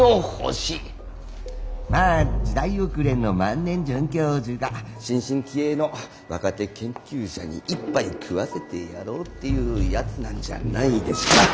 まあ時代遅れの万年准教授が新進気鋭の若手研究者に一杯食わせてやろうっていうやつなんじゃないですか。